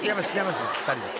２人です。